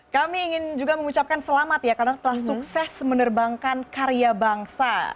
kami ingin juga mengucapkan selamat ya karena telah sukses menerbangkan karya bangsa